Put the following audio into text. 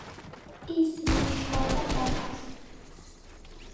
ის ნიშნავდა დაფას.